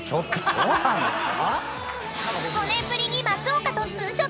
そうなんですか？